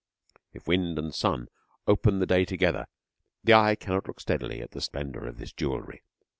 If wind and sun open the day together, the eye cannot look steadily at the splendour of this jewelry.